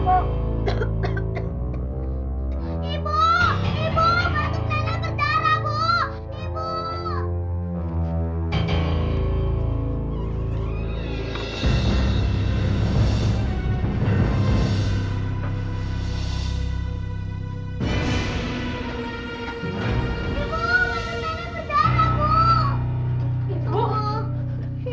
masa ini berdarah bu